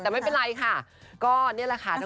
แต่ไม่เป็นไรค่ะก็เนี่ยแหละค่ะทั้งคู่